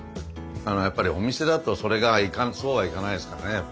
やっぱりお店だとそれがそうはいかないですからねやっぱり。